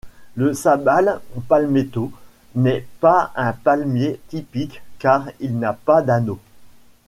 Le Sabal palmetto n'est pas un palmier typique car il n'a pas d'anneaux.